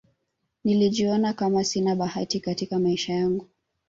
nilijiona Kama sina bahati Katika maisha yangu